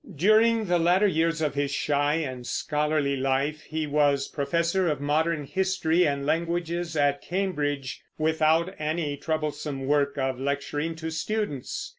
During the latter years of his shy and scholarly life he was Professor of Modern History and Languages at Cambridge, without any troublesome work of lecturing to students.